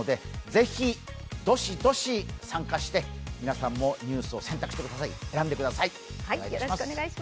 是非どしどし参加して皆さんもニュースを選んでください。